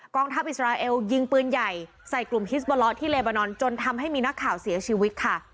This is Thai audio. ทัพอิสราเอลยิงปืนใหญ่ใส่กลุ่มฮิสบอละที่เลบานอนจนทำให้มีนักข่าวเสียชีวิตค่ะ